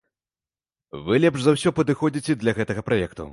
Вы лепш за ўсё падыходзіце для гэтага праекту.